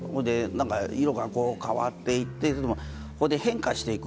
色が変わっていって、変化していく。